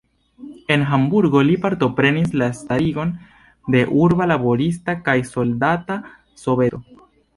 En Hamburgo li partoprenis la starigon de urba laborista kaj soldata soveto.